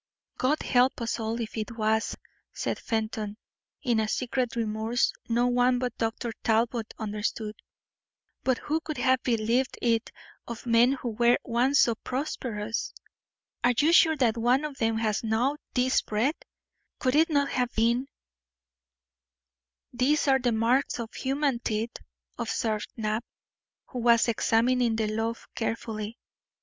"God help us all if it was!" said Fenton, in a secret remorse no one but Dr. Talbot understood. "But who could have believed it of men who were once so prosperous? Are you sure that one of them has gnawed this bread? Could it not have been " "These are the marks of human teeth," observed Knapp, who was examining the loaf carefully.